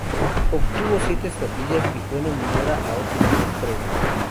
Obtuvo siete estatuillas y fue nominada a otros tres premios.